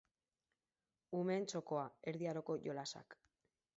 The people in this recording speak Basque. Umeen txokoa, erdi aroko jolasak.